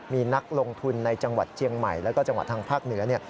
มีนักลงทุนในจังหวัดเชียงใหม่แล้วก็จังหวัดทางภาคเหนือเนี่ย